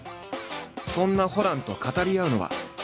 そんなホランと語り合うのは。